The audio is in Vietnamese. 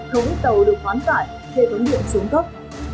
không ít tàu được khoán cải chế thống điện xuống cấp